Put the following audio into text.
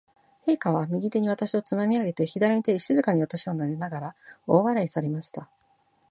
陛下は、右手に私をつまみ上げて、左の手で静かに私をなでながら、大笑いされました。